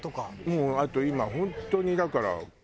もうあと今本当にだから。